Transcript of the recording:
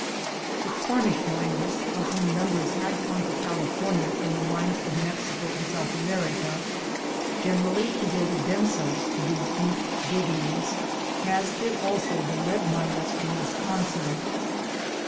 The Cornish miners, of whom numbers had come to California from the mines of Mexico and South America, generally devoted themselves to these deep diggings, as did also the lead miners from Wisconsin.